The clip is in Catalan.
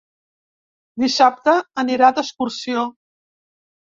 Dissabte anirà d'excursió.